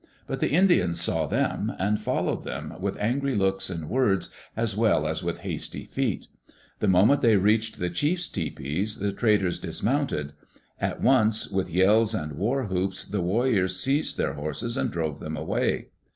But the Indians saw them, ud followed them, with angry looks and words, as well as with hasty feet. The moment they reached die chiefs' tepees die traders dismounted; at once, with yells and war whoops, the warriors seized their horses and drove them away.